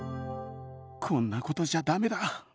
こんなことじゃ駄目だ。